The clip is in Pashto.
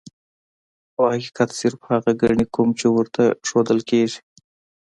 او حقيقت صرف هغه ګڼي کوم چې ورته ښودلے کيږي -